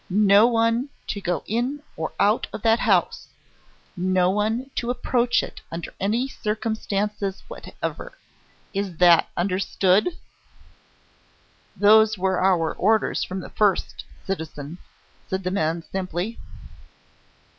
No one to go in or out of that house, no one to approach it under any circumstances whatever. Is that understood?" "Those were our orders from the first, citizen," said the man simply.